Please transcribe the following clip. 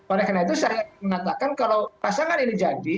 oleh karena itu saya mengatakan kalau pasangan ini jadi